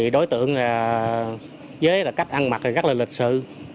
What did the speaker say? đối tượng với cách ăn mặc rất lịch sự